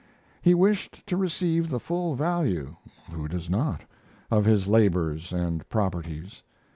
He wished to receive the full value (who does not?) of his labors and properties.